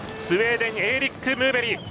スウェーデンエーリック・ムーベリ。